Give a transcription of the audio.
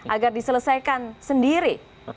agar diselesaikan sendiri